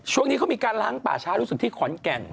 ช่วงนี้เขามีการล้างป่าช้ารู้สึกที่ขอนแก่น